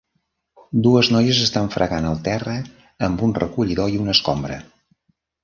Dues noies estan fregant el terra amb un recollidor i una escombra.